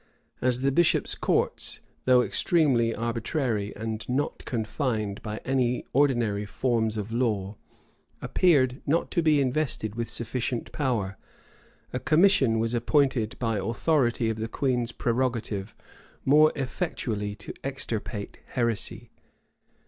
As the bishops' courts, though extremely arbitrary, and not confined by any ordinary forms of law, appeared not to be invested with sufficient power, a commission was appointed, by authority of the queen's prerogative, more effectually to extirpate heresy.